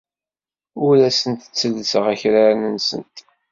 Ur asent-ttellseɣ akraren-nsent.